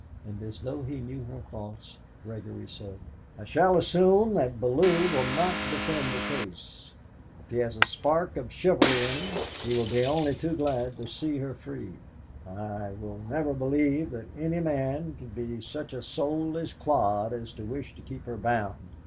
And as though he knew her thoughts, Gregory said: "I shall assume that Bellew will not defend the case. If he has a spark of chivalry in him he will be only too glad to see her free. I will never believe that any man could be such a soulless clod as to wish to keep her bound.